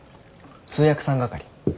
通訳さん係。